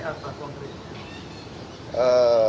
seperti apa kondisinya